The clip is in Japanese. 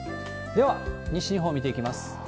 では、西日本見ていきます。